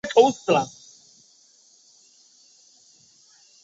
本区是自民党和保守党争持的选区。